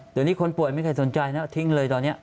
เดี๋ยวนี้คนป่วยไม่เคยสนใจนะทิ้งเลยตอนนี้